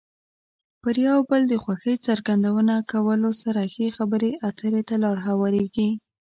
پر یو بل د خوښۍ څرګندونه کولو سره ښې خبرې اترې ته لار هوارېږي.